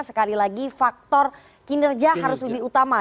sekali lagi faktor kinerja harus lebih utama